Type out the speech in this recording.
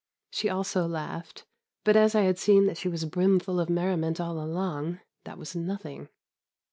She also laughed, but as I had seen that she was brimful of merriment all along, that was nothing.